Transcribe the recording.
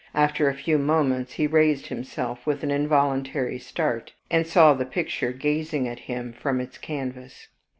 After a few moments, he raised himself with an involuntary start, and saw the picture gazing at him from its canvas.